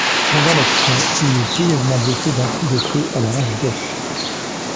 Pendant l’action, il est grièvement blessé d’un coup de feu à la hanche gauche.